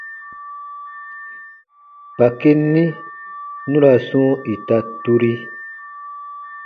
Kpaki ni nu ra sɔ̃ɔ ita turi.